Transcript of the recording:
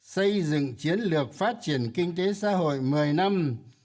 xây dựng chiến lược phát triển kinh tế xã hội một mươi năm hai nghìn một mươi một hai nghìn hai mươi